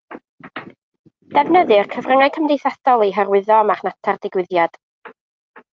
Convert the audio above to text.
Defnyddir cyfryngau cymdeithasol i hyrwyddo a marchnata'r digwyddiad